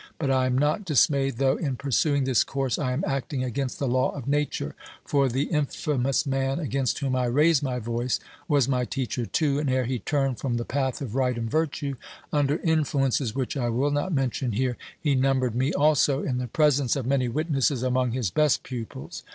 But I am not dismayed, though, in pursuing this course, I am acting against the law of Nature; for the infamous man against whom I raise my voice was my teacher, too, and ere he turned from the path of right and virtue under influences which I will not mention here he numbered me also, in the presence of many witnesses, among his best pupils.